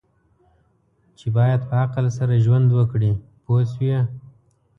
چې باید په عقل سره ژوند وکړي پوه شوې!.